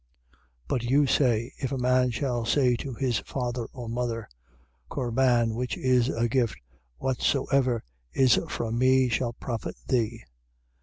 7:11. But you say: If a man shall say to his father or mother, Corban (which is a gift) whatsoever is from me shall profit thee.